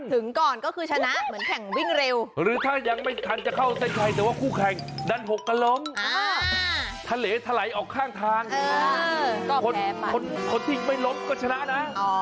ถึงก่อนก็คือชนะเหมือนแข่งวิ่งเร็วหรือถ้ายังไม่ทันจะเข้าเส้นชัยแต่ว่าคู่แข่งดันหกก็ล้มทะเลถลายออกข้างทางคนที่ไม่ล้มก็ชนะนะ